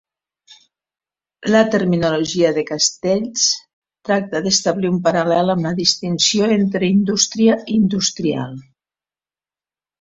La terminologia de Castells tracta d'establir un paral·lel amb la distinció entre indústria i industrial.